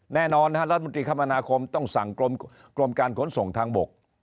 แน่นอนรัฐมนตรีคมนาคมต้องสั่งกรมการขนส่งทางบก